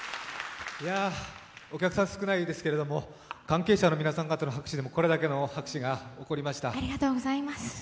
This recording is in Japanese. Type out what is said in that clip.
お客さんは少ないですが、関係者の方の拍手だけでもこれだけ拍手が起こりました。